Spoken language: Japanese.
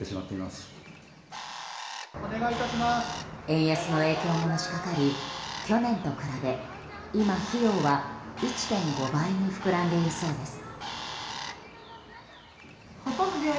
円安の影響ものしかかり去年と比べ今、費用は１．５倍に膨らんでいるそうです。